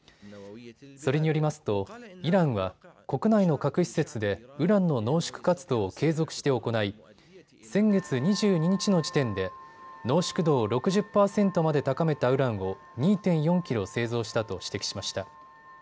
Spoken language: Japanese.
それによりますとイランは国内の核施設でウランの濃縮活動を継続して行い先月２２日の時点で濃縮度を６０％まで高めたウランを２．４キロ製造したと指摘しました。